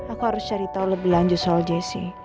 aku harus cerita lebih lanjut soal jessy